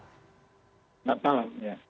selamat malam ya